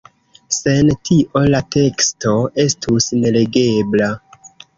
Sen tio la teksto estus nelegebla.